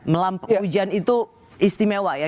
melam ujian itu istimewa ya